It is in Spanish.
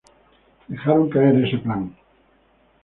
Dejaron caer ese plan.